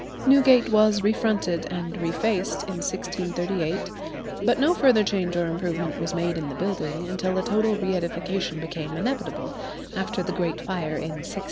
Newgate was refronted and refaced in 1638, but no further change or improvement was made in the building until a total reëdification became inevitable, after the great fire in 1666.